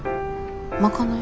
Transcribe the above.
賄い？